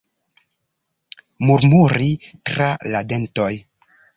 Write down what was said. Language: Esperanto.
Murmuri tra la dentoj.